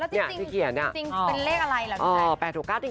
แล้วจริงเป็นเลขอะไรล่ะคุณแจ๊ก